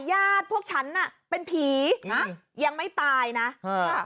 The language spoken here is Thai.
ญาติพวกฉันน่ะเป็นผีนะยังไม่ตายนะอ่า